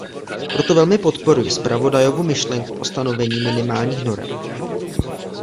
Proto velmi podporuji zpravodajovu myšlenku o stanovení minimálních norem.